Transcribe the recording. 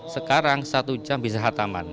sekarang satu jam bisa hataman